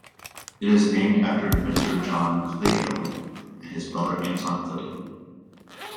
It is named after inventor John Kliegl and his brother Anton Kliegl.